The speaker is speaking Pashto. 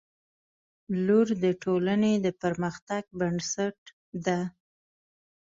• لور د ټولنې د پرمختګ بنسټ ده.